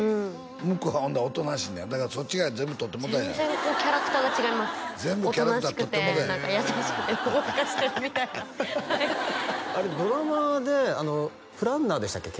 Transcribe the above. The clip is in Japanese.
向こうはほんならおとなしいねやだからそっちが全部取ってもうたんや全然キャラクターが違いますおとなしくて何か優しくてほんわかしてるみたいなはいドラマでプランナーでしたっけ？